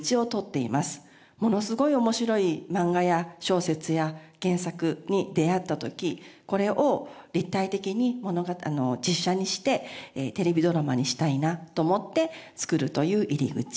ものすごい面白い漫画や小説や原作に出会った時これを立体的に実写にしてテレビドラマにしたいなと思って作るという入り口。